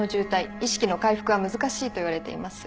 意識の回復は難しいと言われています。